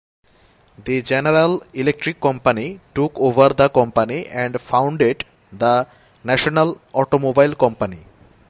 The General Electric Company took over the company and founded the National Automobile Company.